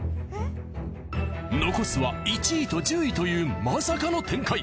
残すは１位と１０位というまさかの展開。